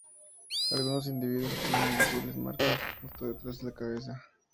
Algunos individuos tienen visibles marcas justo detrás de la cabeza.